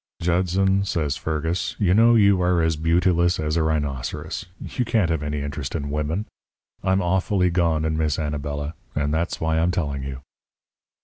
"'Judson,' says Fergus, 'you know you are as beautiless as a rhinoceros. You can't have any interest in women. I'm awfully gone in Miss Anabela. And that's why I'm telling you.'